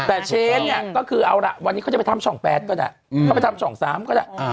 แต่เชนเนี่ยก็คือเอาล่ะวันนี้เขาจะไปทำช่อง๘ก็ได้เขาไปทำช่อง๓ก็ได้